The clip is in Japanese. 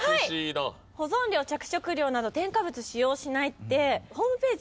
保存料着色料など添加物使用しないって